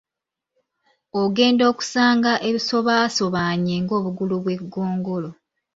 Ogenda okusanga ebisobaasobanye ng’obugulu bw’eggongolo.